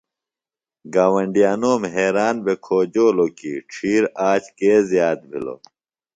گاوۡنڈیانوم حیران بھےۡ کھوجولوکی ڇھیر آج کےۡ زیات بھِلو۔ۡ